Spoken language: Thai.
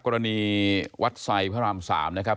กรณีวัดไซดพระราม๓นะครับ